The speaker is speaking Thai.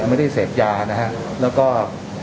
ก็มาเล่ารายละเอียดคอใต้เก่งให้ทราบนะฮะ